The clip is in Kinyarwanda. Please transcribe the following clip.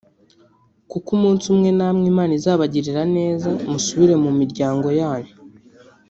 kuko umunsi umwe namwe Imana izabagirira neza musubire mu miryango yanyu